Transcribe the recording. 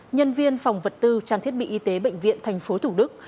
nhân viên phòng vật tư trang thiết bị y tế bệnh viện tp thủ đức